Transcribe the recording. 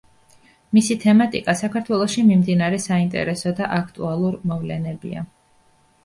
მისი თემატიკა საქართველოში მიმდინარე საინტერესო და აქტუალურ მოვლენებია.